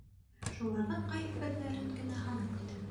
Шуларҙың ҡайһы берҙәрен генә һанап китәм: